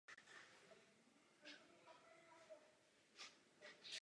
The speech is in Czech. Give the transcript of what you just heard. Omlouvám se Parlamentu jménem zpravodaje.